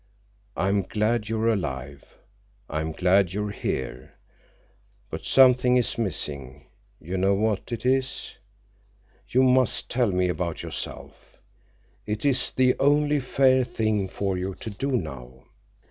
I'm glad you're alive. I'm glad you're here. But something is missing. You know what it is. You must tell me about yourself. It is the only fair thing for you to do now."